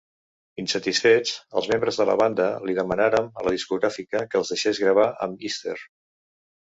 Insatisfets, els membres de la banda li demanarem a la discogràfica que els deixés gravar amb Easter.